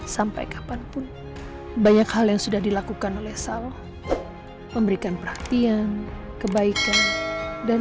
sampai kapanpun banyak hal yang sudah dilakukan oleh sal memberikan praktian kebaikan dan